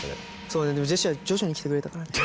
そうねでもジェシーは徐々に来てくれたからね。